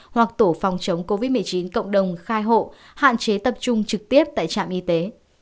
hoặc tổ phòng chống covid một mươi chín cộng đồng khai hộ hạn chế tập trung trực tiếp tại trạm y tế